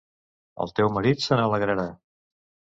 El teu marit se n'alegrarà...